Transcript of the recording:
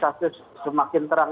kasus semakin berkembang